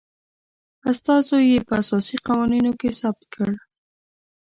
استازو یي په اساسي قوانینو کې هم ثبت کړ